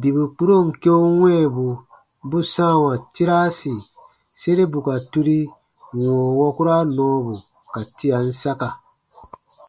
Bibu kpuron keu wɛ̃ɛbu bu sãawa tiraasi sere bù ka turi wɔ̃ɔ wukura nɔɔbu ka tian saka.